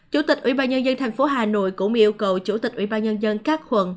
chủ tịch ủy ban nhân dân thành phố hà nội cũng yêu cầu chủ tịch ủy ban nhân dân các quận